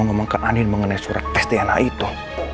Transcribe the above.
ngemenganin mengenai surat tes dna itu